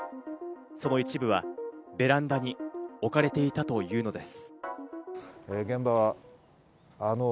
その一部はベランダに置かれていたというのです。